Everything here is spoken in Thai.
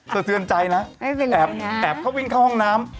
สะเทือนใจนะแอบเข้าวิ่งเข้าห้องน้ำ